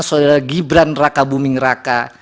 saudara gibran raka buming raka